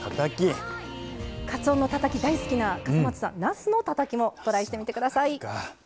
かつおのたたき大好きな笠松さんなすのたたきもトライしてみてください。